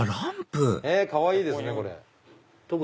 かわいいですね。